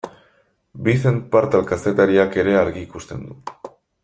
Vicent Partal kazetariak ere argi ikusten du.